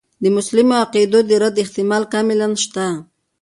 د مسلمو عقایدو د رد احتمال کاملاً شته.